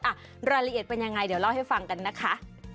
รายละเอียดเป็นยังไงเดี๋ยวเล่าให้ฟังกันนะคะ